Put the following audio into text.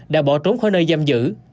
đã bỏ trốn khỏi nơi giam giữ